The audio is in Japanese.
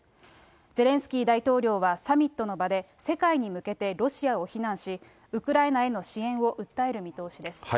ゼレンスキー大統領はサミットの場で、世界に向けてロシアを非難し、ウクライナへの支援を訴える見通しです。